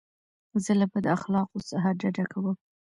زه له بد اخلاقو څخه ډډه کوم.